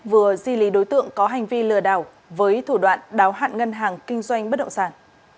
vừa di lý đối tượng có hành vi lừa đảo với thủ đoạn đáo hạn ngân hàng kinh doanh bất động sản